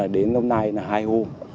ba mươi ba mươi đến hôm nay là hai hôm